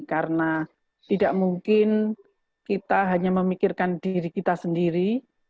karena tidak mungkin kita hanya memikirkan diri kita sendiri